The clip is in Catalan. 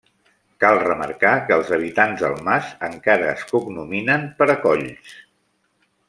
Cal remarcar que els habitants del mas encara es cognominen Paracolls.